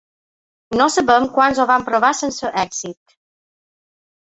No sabem quants ho van provar sense èxit.